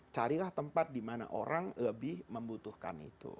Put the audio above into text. carilah tempat dimana orang lebih membutuhkan itu